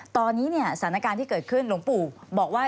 ตอนนี้เนี่ยสถานการณ์ที่เกิดขึ้นหลวงปู่บอกว่า